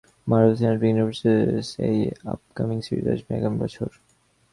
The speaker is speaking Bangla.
মার্ভেল সিনেম্যাটিক ইউনিভার্সের এই আপকামিং সিরিজ আসবে আগামী বছর।